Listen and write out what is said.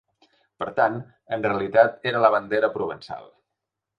Per tant, en realitat, era la bandera provençal.